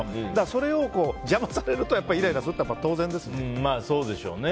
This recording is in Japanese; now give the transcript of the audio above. それを邪魔されるとイライラするのは当然ですね。